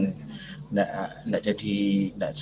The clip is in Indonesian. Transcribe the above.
mereka juga masih bisa menggunakan opsi outsourcing